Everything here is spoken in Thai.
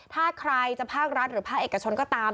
ถ้าใครพากรัฐหรือพ่าเอกชนก็ตาม